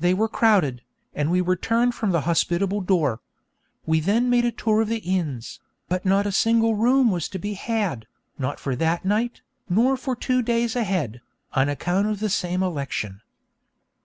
they were crowded, and we were turned from the hospitable door. We then made a tour of the inns, but not a single room was to be had, not for that night, nor for two days ahead, on account of that same election.